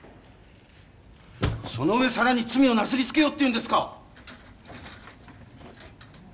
その上さらに罪をなすりつけようっていうんですか！